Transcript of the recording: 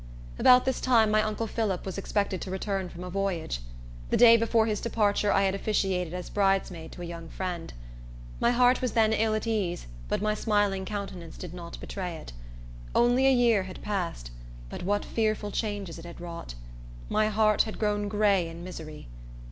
About this time my uncle Phillip was expected to return from a voyage. The day before his departure I had officiated as bridesmaid to a young friend. My heart was then ill at ease, but my smiling countenance did not betray it. Only a year had passed; but what fearful changes it had wrought! My heart had grown gray in misery.